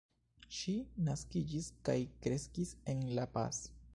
Ŝi naskiĝis kaj kreskis en La Paz.